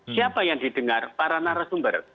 siapa yang didengar para narasumber